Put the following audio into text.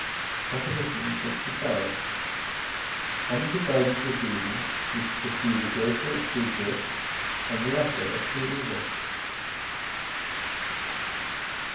PROP. LXV. Under the guidance of reason we should pursue the greater of two goods and the lesser of two evils.